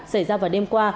xảy ra vào đêm qua